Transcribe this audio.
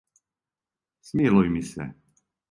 Смилуј ми се!